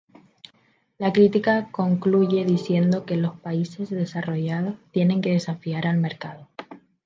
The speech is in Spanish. La crítica concluye diciendo que los países desarrollados "tienen que desafiar al mercado".